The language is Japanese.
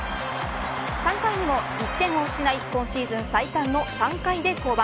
３回にも１点を失い今シーズン最短の３回で降板。